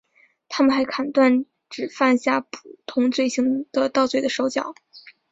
他们还砍断只犯下普通罪行的盗贼的手脚。